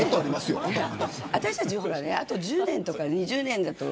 私たちはあと１０年とか２０年だと。